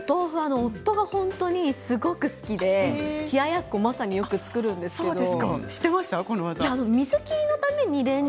夫がすごく好きで冷ややっこもまさに作るんですけれども。